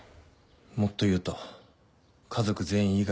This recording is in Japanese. もっと言うと家族全員伊賀一族。